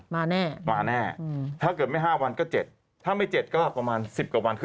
มาแน่ะถ้าเกิดไม่๕วันก็เจ็ดถ้าไม่เจ็ดก็ประมาณ๑๐กว่าวัน